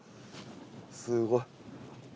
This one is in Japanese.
すごい。